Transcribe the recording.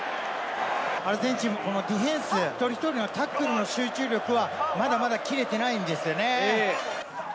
アルゼンチン、このディフェンス、一人一人がタックルの集中力は、まだまだ切れてないんですよね。